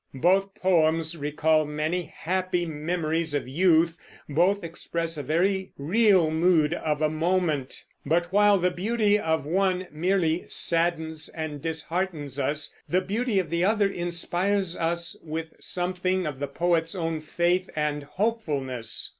Both poems recall many happy memories of youth; both express a very real mood of a moment; but while the beauty of one merely saddens and disheartens us, the beauty of the other inspires us with something of the poet's own faith and hopefulness.